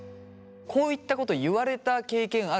こういったこと言われた経験ある？